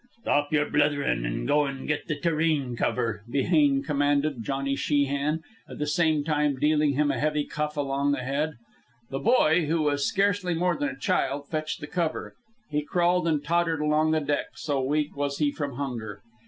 "Stop yer blitherin', an' go an' get the tureen cover," Behane commanded Johnny Sheehan, at the same time dealing him a heavy cuff alongside the head. The boy, who was scarcely more than a child, fetched the cover. He crawled and tottered along the deck, so weak was he from hunger.